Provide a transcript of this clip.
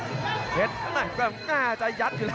อื้อหือจังหวะขวางแล้วพยายามจะเล่นงานด้วยซอกแต่วงใน